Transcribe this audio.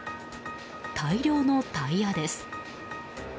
大量のタイヤです。